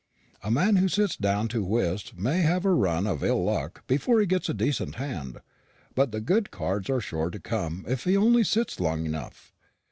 A man who sits down to whist may have a run of ill luck before he gets a decent hand; but the good cards are sure to come if he only sits long enough.